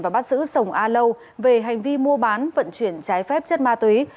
và bắt giữ sông a lâu về hành vi mua bán vận chuyển trái phép chất ma túy